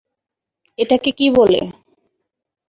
এটাকে কী বলে?